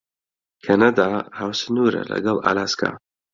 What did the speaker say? کەنەدا هاوسنوورە لەگەڵ ئالاسکا.